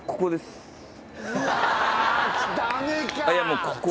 もうここ。